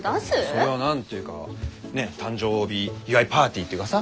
それは何ていうかねえ誕生日祝いパーティーっていうかさ。